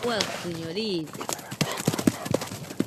Uaikɨño riide.